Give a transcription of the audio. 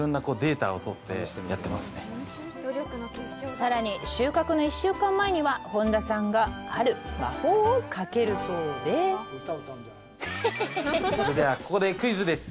さらに収穫の１週間前には本田さんがある魔法をかけるそうでそれではここでクイズです